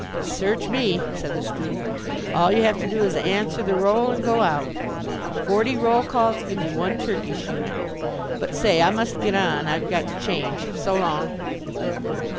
"Search me!" said the student. "All you have to do is answer the roll and go out. Forty roll calls give you one Turkish unit but, say, I must get on, I've got to change. So long."